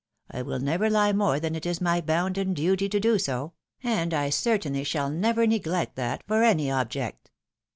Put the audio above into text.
I wiU never lie more than it is my bounden duty to do — and I certainly shall never neglect that, for any object."